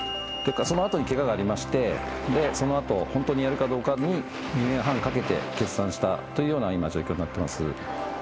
そのあとに、けががありましてそのあと、本当にやるかどうか２年半かけて決断したという状況になっています。